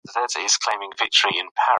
د هېواد په ټولو ښارونو کې ګډوډي خپره شوې وه.